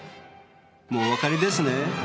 もうお分かりですね。